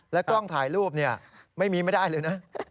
กล้องถ่ายรูปไม่มีไม่ได้เลยนะ